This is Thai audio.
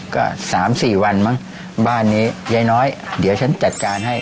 ก็๓๔วันมั้งบ้านนี้ยายน้อยเดี๋ยวฉันจัดการให้